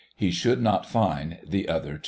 He should not fine the other two.